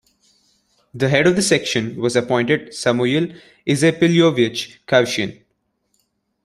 The head of the section was appointed Samuyil Izepilyovych Khavchyn.